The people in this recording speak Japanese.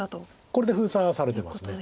これで封鎖されてます。